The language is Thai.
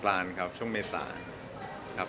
เก๋จะมีโอกาสได้ชุดคู่กับผู้ชายที่สุดของเก๋